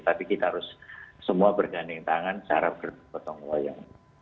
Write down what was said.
tapi kita harus semua berganding tangan cara bergotong royong